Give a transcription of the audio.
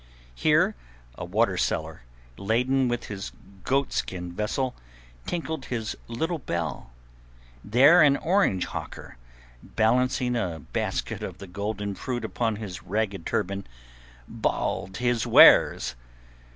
Here a water seller, laden with his goatskin vessel, tinkled his little bell; there an orange hawker, balancing a basket of the golden fruit upon his ragged turban, bawled his wares.